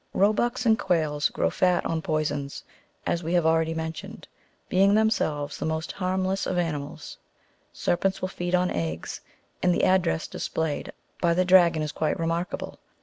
Eoe bucks and quails ^^ grow fat on poisons, as we have" al ready mentioned, being themselves the most harmless of ani mals. Serpents will feed on eggs, and the address displaye I by the dragon is quite remarkable.